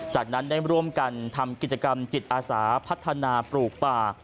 จากนั้นได้ร่วมกันทำกิจกรรมจิตอาสาพัฒนาปลูกป่า